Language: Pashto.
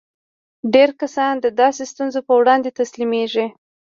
ډېر کسان د داسې ستونزو پر وړاندې تسليمېږي.